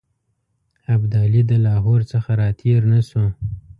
ابدالي د لاهور څخه را تېر نه شو.